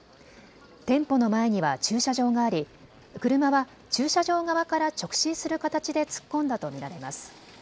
店舗の前には駐車場があり車は駐車場側から直進する形で突っ込んだと見られます。